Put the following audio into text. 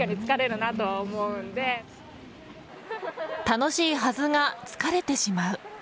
楽しいはずが疲れてしまう。